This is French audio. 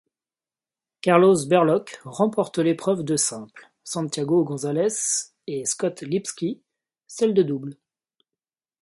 Carlos Berlocq remporte l'épreuve de simple, Santiago González et Scott Lipsky celle de double.